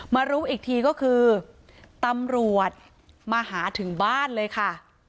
รู้อีกทีก็คือตำรวจมาหาถึงบ้านเลยค่ะ